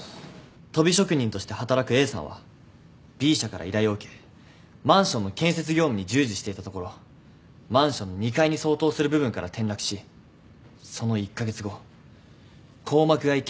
とび職人として働くＡさんはＢ社から依頼を受けマンションの建設業務に従事していたところマンションの２階に相当する部分から転落しその１カ月後硬膜外血腫を起こし急死しました。